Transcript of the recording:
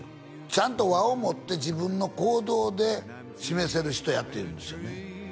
ちゃんと和をもって自分の行動で示せる人やと言うんですよね